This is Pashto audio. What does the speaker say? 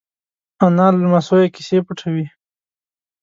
انا له لمسيو کیسې پټوي